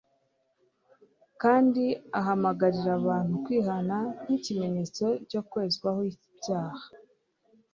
kandi ahamagarira abantu kwihana. Nk'ikimenyetso cyo kwezwaho ibyaha